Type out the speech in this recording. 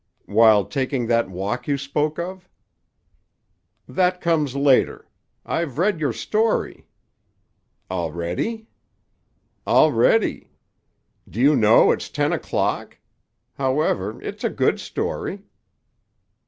"While taking that walk you spoke of?" "That comes later. I've read your story." "Already?" "Already! Do you know it's ten o'clock? However, it's a good story."